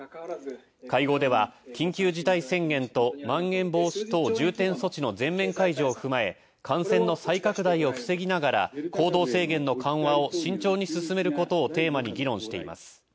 会合では緊急事態宣言とまん延防止等重点措置の全面解除を踏まえ感染の再拡大を防ぎながら行動制限の緩和を慎重に進めることをテーマに議論しています。